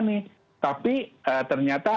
nih tapi ternyata